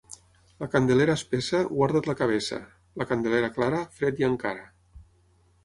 La Candelera espessa, guarda't la cabeça; la Candelera clara, fred hi ha encara.